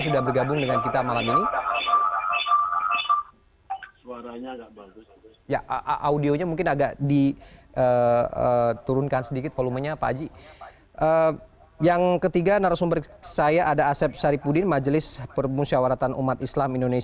suaranya penuh jelas mas